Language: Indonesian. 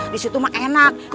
disitu mah enak